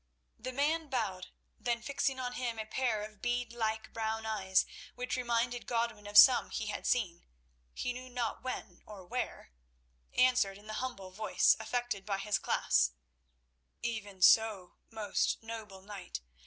The man bowed; then, fixing on him a pair of beadlike brown eyes, which reminded Godwin of some he had seen, he knew not when or where, answered in the humble voice affected by his class: "Even so, most noble knight.